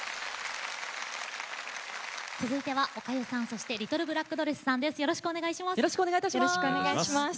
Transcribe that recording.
続いては、おかゆさんそしてリトルブラックドレスさんです。